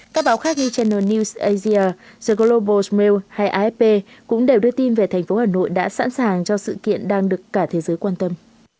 các báo khác như channel news asia the global mail hay afp cũng đều đưa tin về thành phố hà nội đã sẵn sàng cho sự kiện đang được cả thế giới quan tâm